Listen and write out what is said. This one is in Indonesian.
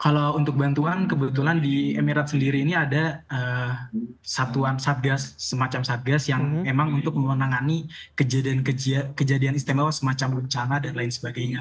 kalau untuk bantuan kebetulan di emirat sendiri ini ada satuan satgas semacam satgas yang memang untuk menangani kejadian istimewa semacam bencana dan lain sebagainya